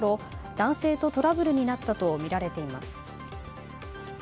男性とトラブルになったとみられています。